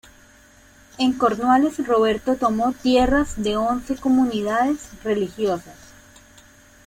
En Cornualles Roberto tomó tierras de once comunidades religiosas.